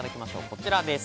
こちらです。